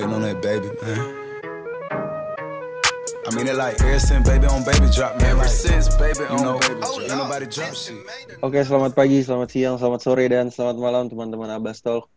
oke selamat pagi selamat siang selamat sore dan selamat malam teman teman abbastol